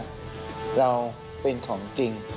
เราเป็นของจริง